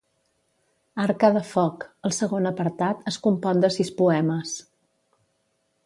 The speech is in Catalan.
Harca de foc, el segon apartat, es compon de sis poemes.